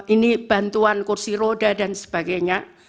ini bantuan kursi roda dan sebagainya